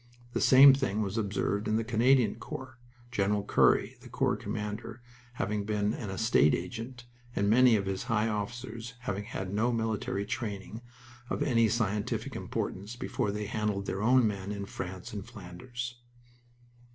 The same thing was observed in the Canadian Corps, General Currie, the corps commander, having been an estate agent, and many of his high officers having had no military training of any scientific importance before they handled their own men in France and Flanders.